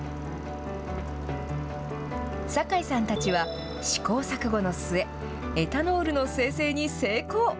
酒井さんたちは試行錯誤の末、エタノールの精製に成功。